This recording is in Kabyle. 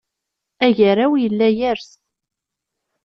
Agaraw yella yers.